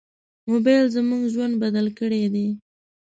موبایل زموږ ژوند بدل کړی دی.